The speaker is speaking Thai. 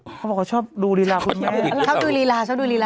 เขาบอกเขาชอบดูลีลาคุณแม่ชอบดูลีลาชอบดูลีลา